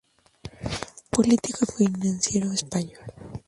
Político y financiero español.